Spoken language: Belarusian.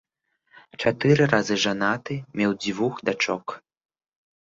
Чатыры разы жанаты, меў дзвюх дачок.